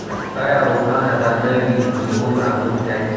آیا روښانه دې نه وي زموږ راتلونکی؟